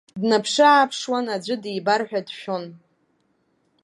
Даанаԥшы-ааԥшуан, аӡәы дибар ҳәа дшәон.